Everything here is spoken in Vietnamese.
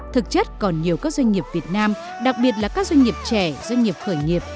thực chất còn nhiều các doanh nghiệp việt nam đặc biệt là các doanh nghiệp trẻ doanh nghiệp khởi nghiệp